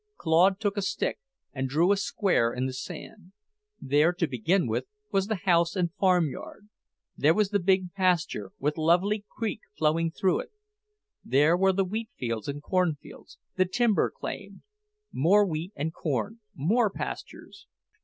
Claude took a stick and drew a square in the sand: there, to begin with, was the house and farmyard; there was the big pasture, with Lovely Creek flowing through it; there were the wheatfields and cornfields, the timber claim; more wheat and corn, more pastures.